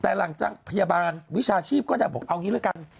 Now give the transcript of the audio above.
แต่หลังจากพยาบาลวิชาชีพก็จะบอกเอางี้ละกัน